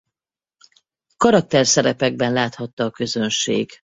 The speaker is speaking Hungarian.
Karakterszerepekben láthatta a közönség.